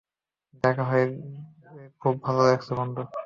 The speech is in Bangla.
দেখা হয়ে খুব ভালো লাগছে, বন্ধু।